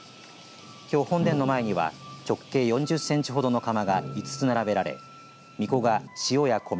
きょう本殿の前には直径４０センチほどの釜が５つ並べられ、みこが塩や米